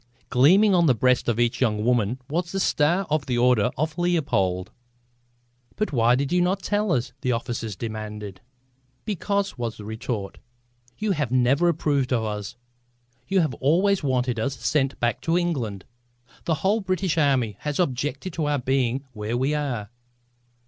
Gleaming on the breast of each young woman was the star of the Order of Leopold! "But why did you not tell us?" the officers demanded. "Because," was the retort, "you have never approved of us; you have always wanted us sent back to England. The whole British Army has objected to our being where we are."